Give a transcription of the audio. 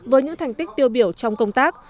với những thành tích tiêu biểu trong công tác